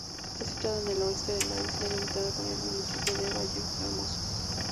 Está situado en el oeste de la isla, limitando con el municipio de Vallehermoso.